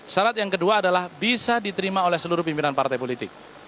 syarat yang kedua adalah bisa diterima oleh seluruh pimpinan partai politik